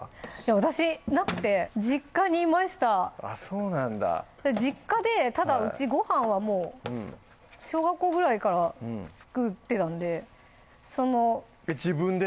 私なくて実家にいましたあっそうなんだ実家でただうちごはんはもう小学校ぐらいから作ってたんで自分で？